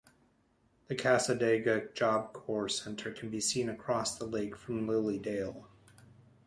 The Cassadaga Job Corps Center can be seen across the lake from Lily Dale.